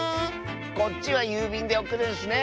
こっちはゆうびんでおくるんスね！